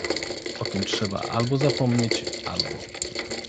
O tym trzeba albo zapomnieć, albo.